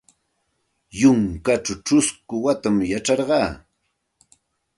Yunkaćhaw ćhusku watam yacharqa.